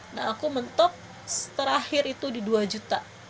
nah aku mentok terakhir itu di dua juta